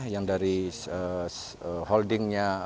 yang dari holdingnya